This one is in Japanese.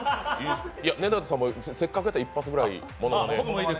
根建さんもせっかくやから一発くらい。